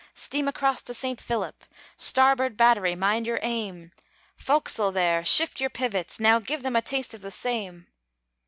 Steam across to Saint Philip! Starboard battery, mind your aim! Forecastle there, shift your pivots! Now, Give them a taste of the same!"